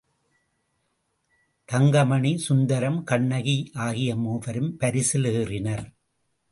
தங்கமணி, சுந்தரம், கண்ணகி ஆகிய மூவரும் பரிசில் ஏறினர்.